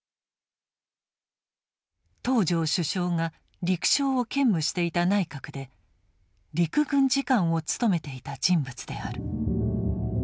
東條首相が陸相を兼務していた内閣で陸軍次官を務めていた人物である。